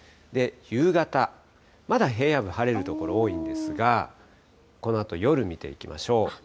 夕方、まだ平野部、晴れる所多いんですが、このあと夜見ていきましょう。